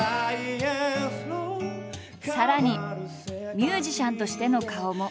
さらにミュージシャンとしての顔も。